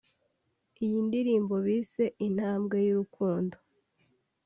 Iyi ndirimbo bise “Intambwe y’urukundo”